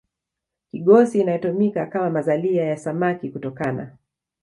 kigosi inayotumika kama mazalia ya samaki kutokana